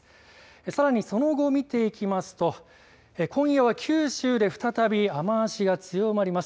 さらにその後、見ていきますと今夜は九州で再び雨足が強まります。